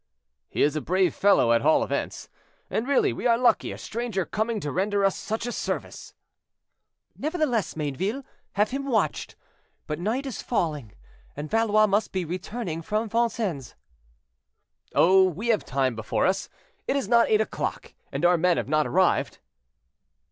"He is a brave fellow, at all events; and really we are lucky, a stranger coming to render us such a service." "Nevertheless, Mayneville, have him watched. But night is falling, and Valois must be returning from Vincennes." "Oh! we have time before us; it is not eight o'clock, and our men have not arrived."